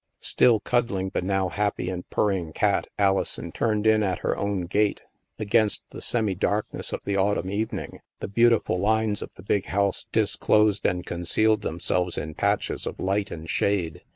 Still cuddling the now happy and purring cat, Alison turned in at her own gate. Against the STILL WATERS 13 semi darkness of the autumn evening, the beautiful lines of the big house disclosed and concealed them selves in patches of light and shade.